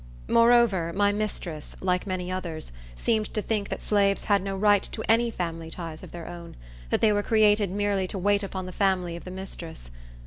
Moreover, my mistress, like many others, seemed to think that slaves had no right to any family ties of their own; that they were created merely to wait upon the family of the mistress.